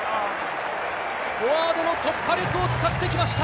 フォワードの突破力を使ってきました。